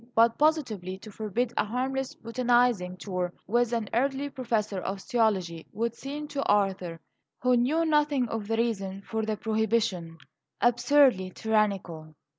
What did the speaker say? But positively to forbid a harmless botanizing tour with an elderly professor of theology would seem to Arthur, who knew nothing of the reason for the prohibition, absurdly tyrannical.